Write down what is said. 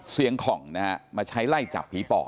เสียงของนะครับมาใช้ไล่จับผีปอบ